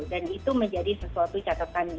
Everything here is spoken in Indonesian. dan itu menjadi sesuatu catatan